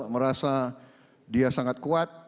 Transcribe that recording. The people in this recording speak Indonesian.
merasa dia sangat kuat